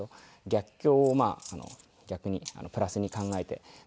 逆境を逆にプラスに考えて何かに。